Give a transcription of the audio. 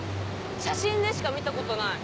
写真でしか見たことない。